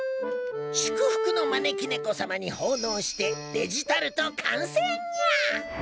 祝福の招き猫様に奉納してデジタルト完成にゃ！